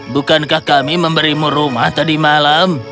bukankah kami memberimu rumah tadi malam